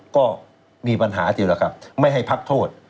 ก็มีปัญหาทีเดียวครับไม่ให้พักโทษ